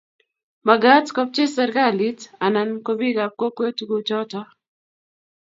magaat kopcheei serikalit anana ko bikap kokwet tuguk choto